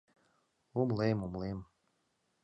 — Умылем, умылем.